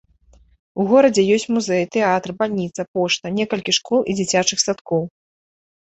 У горадзе ёсць музей, тэатр, бальніца, пошта, некалькі школ і дзіцячых садкоў.